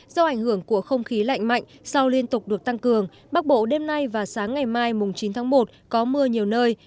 do ảnh hưởng của không khí lạnh mạnh sau liên tục được tăng cường bắc bộ đêm nay và sáng ngày mai chín tháng một có mưa nhiều nơi